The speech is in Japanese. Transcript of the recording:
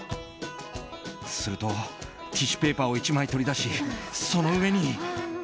すると、ティッシュペーパーを１枚取り出し、その上に。